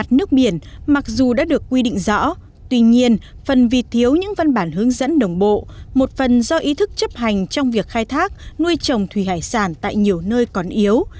bãi chiều bãi bồi ven biển trên mặt bãi chiều mặt nước biển mặc dù đã được quy định rõ tuy nhiên phần vì thiếu những văn bản hướng dẫn đồng bộ một phần do ý thức chấp hành trong việc khai thác nuôi trồng thủy hải sản tại nhiều nơi còn yếu